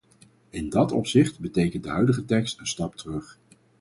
In dat opzicht betekent de huidige tekst een stap terug.